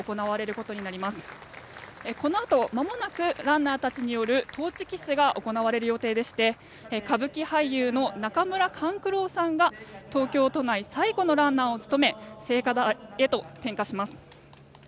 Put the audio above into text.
このあとまもなくランナーたちによるトーチキスが行われる予定でして歌舞伎俳優の中村勘九郎さんが東京都内最後のランナーを務め聖火皿へと点火します。